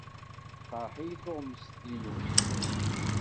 Teqreḥ-iyi tuɣmest-inu.